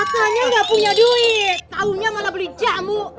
katanya nggak punya duit taunya malah beli jamu